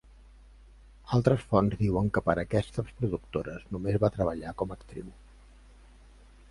Altres fonts diuen que per a aquestes productores només va treballar com a actriu.